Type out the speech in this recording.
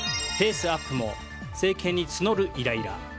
ペースアップも政権に募るイライラ。